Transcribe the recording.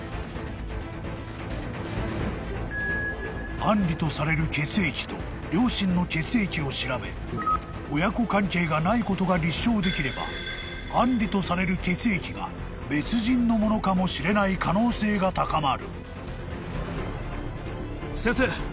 ［アンリとされる血液と両親の血液を調べ親子関係がないことが立証できればアンリとされる血液が別人のものかもしれない可能性が高まる］